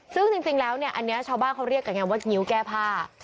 ซึ่งจริงแล้วเนี่ยอันนี้ชาวบ้านเขาเรียกกันไงว่างิ้วแก้ผ้า